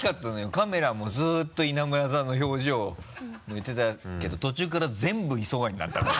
カメラもずっと稲村さんの表情を抜いてたけど途中から全部磯貝になったから。